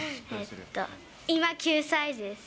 今９歳です。